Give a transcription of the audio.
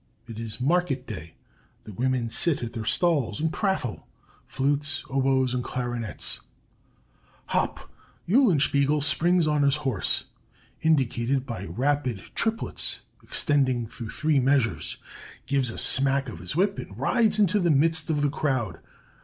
It is market day; the women sit at their stalls and prattle (flutes, oboes, and clarinets). Hop! Eulenspiegel springs on his horse (indicated by rapid triplets extending through three measures), gives a smack of his whip, and rides into the midst of the crowd.